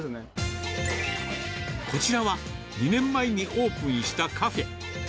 こちらは、２年前にオープンしたカフェ。